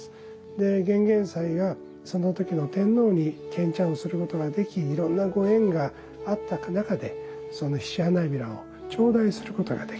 玄々斎がその時の天皇に献茶をすることができいろんなご縁があった中でその菱葩を頂戴することができて。